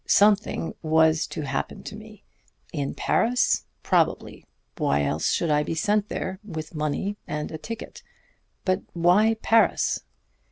Something was to happen to me. In Paris? Probably why else should I be sent there, with money and a ticket? But why Paris?